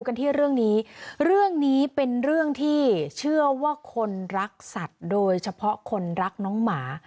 กันที่เรื่องนี้เรื่องนี้เป็นเรื่องที่เชื่อว่าคนรักสัตว์โดยเฉพาะคนรักน้องหมา